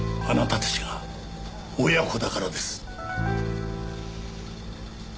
あなたたちが親子だからです。